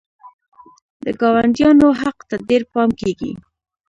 د ګاونډیانو حق ته ډېر پام کیږي.